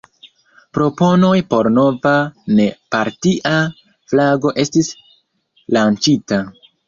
Proponoj por nova, ne-partia flago estis lanĉita.